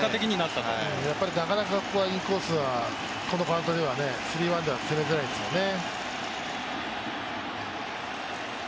やっぱりなかなかインコースはこのカウントではスリーワンでは攻めづらいですね。